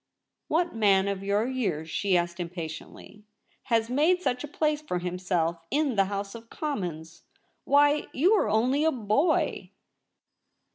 ' What man of your years,' she asked Im patiently, ' has made such a place for himself in the House of Commons } Why, you are only a boy